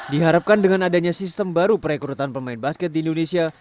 diharapkan dengan adanya sistem baru perekrutan pemain basket di indonesia